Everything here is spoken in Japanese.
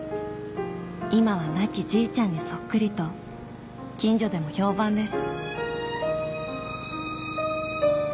今は亡きじいちゃんにそっくりと近所でも評判です